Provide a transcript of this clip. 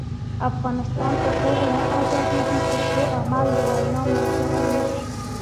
افغانستان تر هغو نه ابادیږي، ترڅو عمل د وینا ملګری نشي.